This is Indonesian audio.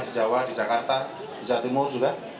di jawa di jakarta di jawa timur juga